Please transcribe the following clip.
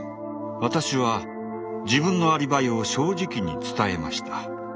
私は自分のアリバイを正直に伝えました。